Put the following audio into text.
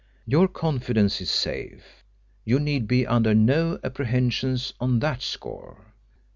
Your confidence is safe; you need be under no apprehensions on that score."